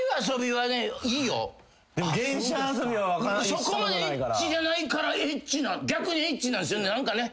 そこまでエッチじゃないから逆にエッチなんすよね何かね。